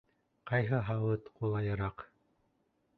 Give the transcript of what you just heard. Ҡайһы һауыт ҡулайыраҡ?